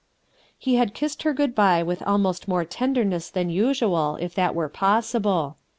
He had kissed her good by with almost more tenderness than usual, if that were possible.